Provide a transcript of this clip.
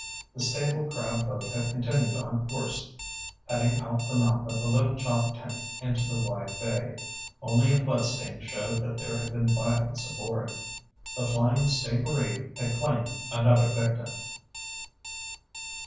The stable crab boat had continued on course, heading out the mouth of the Little Choptank into the wide bay. Only a bloodstain showed that there had been violence aboard. The flying stingaree had claimed another victim!